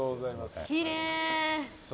きれい！